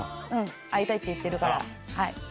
会いたいって言ってるから。